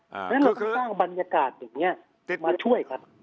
เพราะฉะนั้นเราจะสร้างบรรยากาศอย่างนี้มาช่วยกัน